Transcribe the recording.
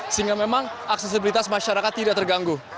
sehingga memang aksesibilitas masyarakat tidak terganggu